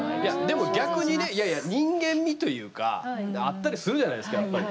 でも逆にねいやいや人間味というかあったりするじゃないですかやっぱり。